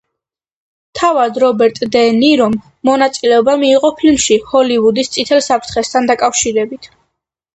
თავად რობერტ დე ნირომ მონაწილეობა მიიღო ფილმში ჰოლივუდის წითელ საფრთხესთან დაკავშირებით.